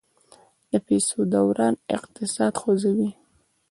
د پیسو دوران اقتصاد خوځوي.